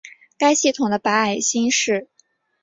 该系统的白矮星是第一颗被发现的白矮星脉冲星。